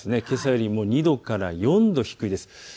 けさよりも２度から４度低いです。